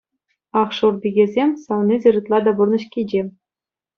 Ах, шур пикесем, савнисӗр ытла та пурнӑҫ кичем.